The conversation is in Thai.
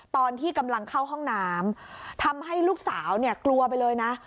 ตอนที่กำลังเข้าห้องน้ำทำให้ลูกสาวเนี่ยกลัวไปเลยนะ